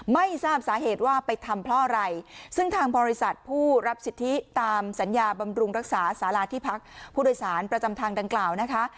ไม่ทราบสาเหตุว่าไปทำเพราะอะไรซึ่งทางบริษัทผู้รับสิทธิตามสัญญาบำรุงรักษาสาราที่พักผู้โดยสารประจำทางดังกล่าวนะคะ